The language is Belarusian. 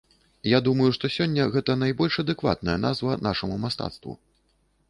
Я думаю, што сёння гэта найбольш адэкватная назва нашаму мастацтву.